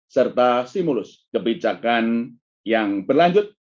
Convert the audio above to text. serta stimulus kebijakan yang berlanjut